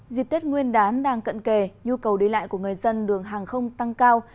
dịp tết nguyên đán đang cận kề nhu cầu đi lại của người dân đường hàng không tăng cao